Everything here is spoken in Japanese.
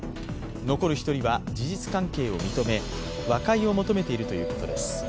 残る１人は事実関係を認め和解を求めているということです。